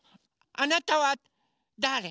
あなたはだれ？